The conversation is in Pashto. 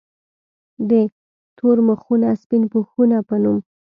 د “ تور مخونه سپين پوښونه ” پۀ نوم